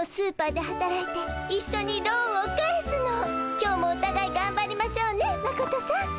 今日もおたがいがんばりましょうねマコトさん。